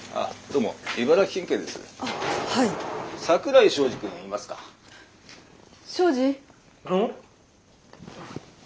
うん？